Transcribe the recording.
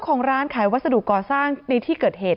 ของร้านขายวัสดุก่อสร้างในที่เกิดเหตุ